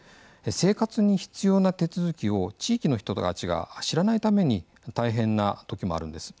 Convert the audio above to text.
生活に必要な手続きを地域の人たちが知らないために大変な時もあるんです。